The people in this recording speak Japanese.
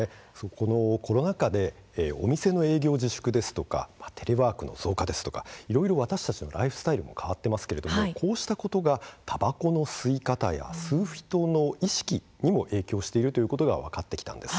コロナ禍でお店の営業自粛ですとかテレワークの増加ですとかいろいろ私たちのライフスタイルも変わっていますけれどもこうしたことがたばこの吸い方や吸う人の意識にも影響しているということが分かってきたんです。